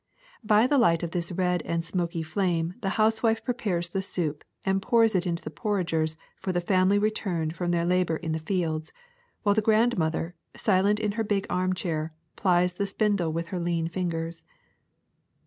By the light of this red and smoky flame the housewife prepares the soup and pours it into the porringers for the family returned from their labor in the fields, while the grandmother, silent in her big arm chair, plies the spindle with her lean fingers.